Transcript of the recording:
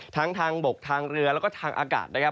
ทั้งทางบกทางเรือแล้วก็ทางอากาศนะครับ